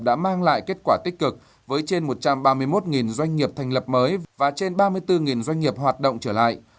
đã mang lại kết quả tích cực với trên một trăm ba mươi một doanh nghiệp thành lập mới và trên ba mươi bốn doanh nghiệp hoạt động trở lại